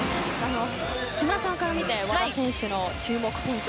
木村さんから見て和田選手の注目ポイント